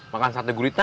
makan sate gurita